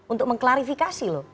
untuk mengklarifikasi loh